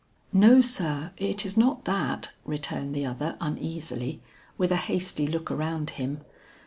"No sir, it is not that," returned the other uneasily, with a hasty look around him.